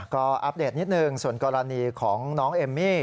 ก็อัปเดตนิดนึงส่วนกรณีของน้องเอมมี่